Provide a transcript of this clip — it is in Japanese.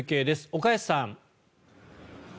岡安さん。